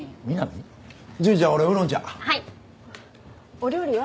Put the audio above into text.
お料理は？